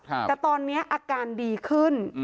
แต่ตอนนี้อาการดีขึ้น